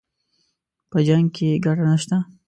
په جـنګ كښې ګټه نشته